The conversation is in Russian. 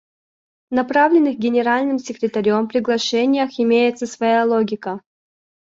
В направленных Генеральным секретарем приглашениях имеется своя логика.